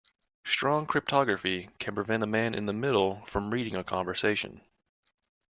Strong cryptography can prevent a man in the middle from reading a conversation.